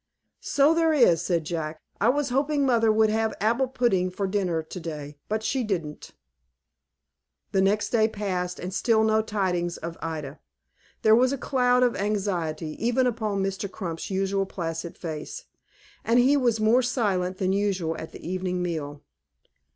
"So there is," said Jack. "I was hoping mother would have apple pudding for dinner to day, but she didn't." The next day passed, and still no tidings of Ida. There was a cloud of anxiety, even upon Mr. Crump's usually placid face, and he was more silent than usual at the evening meal.